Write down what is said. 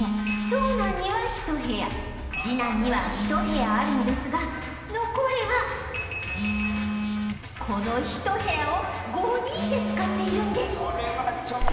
長男には１部屋次男には１部屋あるのですが残りはこの１部屋を５人で使っているんです